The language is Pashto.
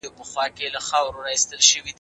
که ته غواړې چې لږ سکون پیدا کړې، نو سترګې پټې کړه.